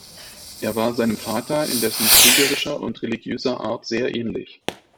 Er war seinem Vater in dessen kriegerischer und religiöser Art sehr ähnlich.